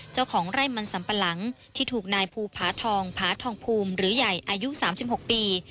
เจ้าของไร่มันสัมปะหลังที่ถูกนายภูผาทองผาทองภูมิหรือใหญ่อายุ๓๖ปี